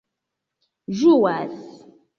ĝuas